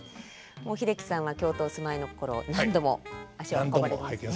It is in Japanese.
もう英樹さんは京都お住まいの頃何度も足を運ばれてますね。